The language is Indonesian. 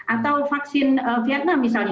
atau vaksin vietnam misalnya